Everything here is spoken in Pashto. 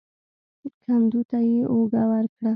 کندو ته يې اوږه ورکړه.